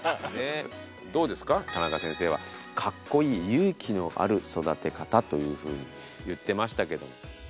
どうですか田中先生は「かっこいい勇気のある育てかた」というふうに言ってましたけども。